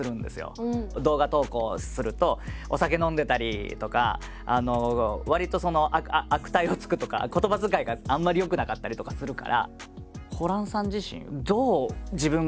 動画投稿するとお酒飲んでたりとかわりとその悪態をつくとか言葉遣いがあんまり良くなかったりとかするから。